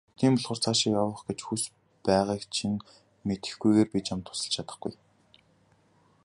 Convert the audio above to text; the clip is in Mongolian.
Тийм болохоор хаашаа явах гэж хүс байгааг чинь мэдэхгүйгээр би чамд тусалж чадахгүй.